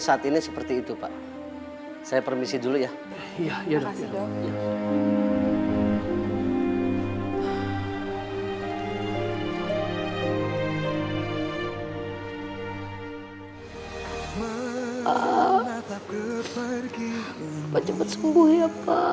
sampai jumpa di video selanjutnya